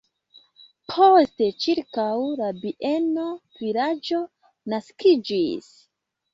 Poste ĉirkaŭ la bieno vilaĝo naskiĝis.